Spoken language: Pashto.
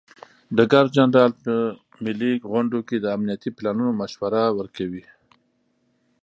ډګر جنرال په ملي غونډو کې د امنیتي پلانونو مشوره ورکوي.